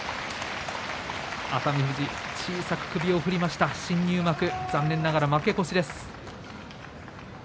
熱海富士、小さく首を振りました新入幕、負け越しです。